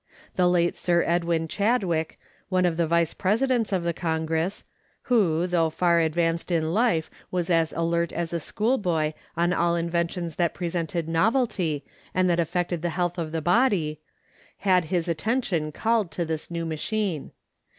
The late Sir Edwin Chadwick, one of the Vice Presidents of the congress, who, though far advanced in life, was as alert as a schoolboy on all inventions that pre sented novelty and that affected the health of the body, had his attention called to this new machine.